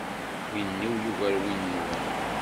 Win-iw yugar win-nwen.